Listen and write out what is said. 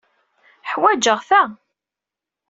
Ḥwajeɣ-t da.